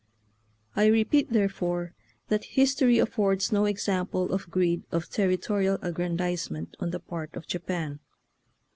I repeat, therefore, that history affords no example of greed of territorial aggrandizement on the part of Japan.